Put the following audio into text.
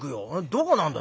どこなんだ？」。